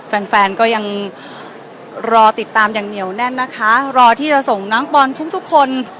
แฟนแฟนก็ยังรอติดตามอย่างเหนียวแน่นนะคะรอที่จะส่งน้องบอลทุกทุกคน